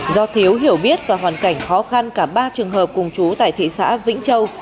do thiếu hiểu biết và hoàn cảnh khó khăn cả ba trường hợp cùng chú tại thị xã vĩnh châu